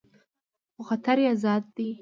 خو خطر یې زیات دی.